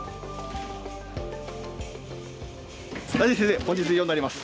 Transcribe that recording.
はい先生本日以上になります。